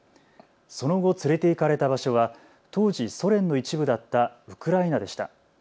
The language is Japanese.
その後、連れて行かれた場所は当時、ソ連の一部だったウクライナでした。